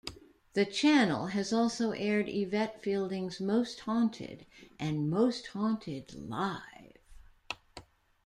The channel has also aired Yvette Fielding's "Most Haunted" and "Most Haunted Live!